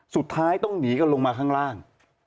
สุดท้ายต้องหนีกันลงมาข้างล่าง